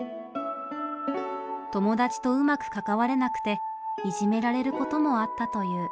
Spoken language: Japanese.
友達とうまく関われなくていじめられることもあったという。